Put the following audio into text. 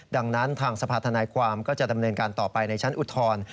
ดังนั้นทางสภาธนายความก็จะดำเนินการต่อไปในชั้นอุทธรณ์